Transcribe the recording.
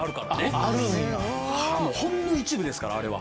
すごい。ほんの一部ですからあれは！